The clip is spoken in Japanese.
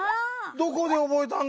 どこでおぼえたんだ？